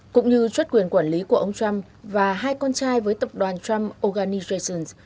cũng như truất quyền quản lý của ông trump và hai con trai với tập đoàn trump organization